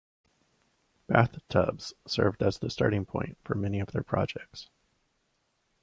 Bathtubs served as the starting point for many of their projects.